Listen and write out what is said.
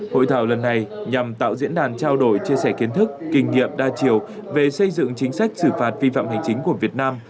hội thảo lần này nhằm tạo diễn đàn trao đổi chia sẻ kiến thức kinh nghiệm đa chiều về xây dựng chính sách xử phạt vi phạm hành chính của việt nam